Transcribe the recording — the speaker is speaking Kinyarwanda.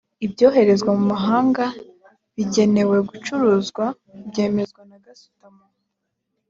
ibyoherezwa mumahanga bigenewe gucuruzwa byemezwa na gasutamo